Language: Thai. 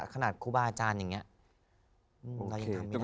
ขนาดครูบาอาจารย์อย่างนั้น